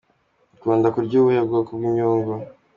Ukunda kurya ubuhe bwoko bw'imyungu?